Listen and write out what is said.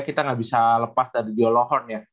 kita gak bisa lepas dari dior lohorn ya